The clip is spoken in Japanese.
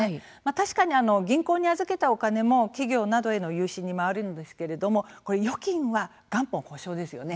確かに銀行に預けたお金も企業などへの融資に回るんですけれどもこれ預金は、元本保証ですよね。